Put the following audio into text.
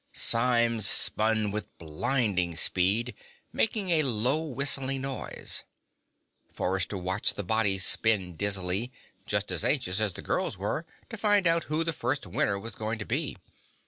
Symes spun with a blinding speed, making a low, whistling noise. Forrester watched the body spin dizzily, just as anxious as the girls were to find out who the first winner was going to be.